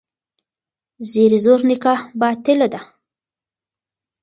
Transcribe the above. زیر زور نکاح باطله ده.